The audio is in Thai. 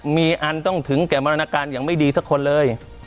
มีอันต้องถึงแก่มรณการอย่างไม่ดีสักคนเลย